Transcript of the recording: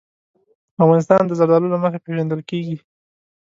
افغانستان د زردالو له مخې پېژندل کېږي.